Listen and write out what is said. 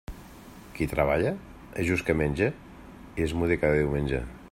Qui treballa, és just que menge i es mude cada diumenge.